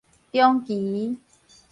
長奇